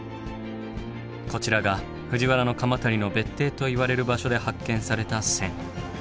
こちらが藤原鎌足の別邸といわれる場所で発見された。